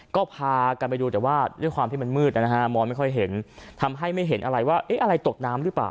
ก็พากันไปดูแต่ว่าด้วยความที่มันมืดนะฮะมองไม่ค่อยเห็นทำให้ไม่เห็นอะไรว่าเอ๊ะอะไรตกน้ำหรือเปล่า